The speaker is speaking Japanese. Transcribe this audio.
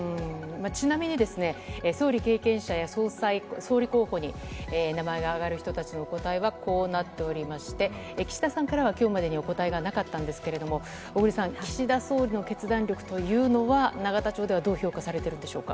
ちなみにですね、総理経験者や総裁、総理候補に名前が挙がる人たちの答えはこうなっておりまして、岸田さんからは、きょうまでにお答えがなかったんですけれども、小栗さん、岸田総理の決断力というのは、永田町ではどう評価されてるんでしょうか。